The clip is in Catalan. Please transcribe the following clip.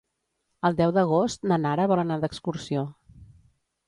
El deu d'agost na Nara vol anar d'excursió.